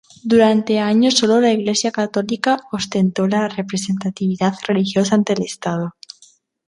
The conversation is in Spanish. Durante años sólo la Iglesia católica ostentó la representatividad religiosa ante el Estado.